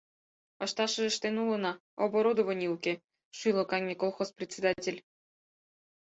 — Ышташыже ыштен улына, оборудований уке, — шӱлыкаҥе колхоз председатель.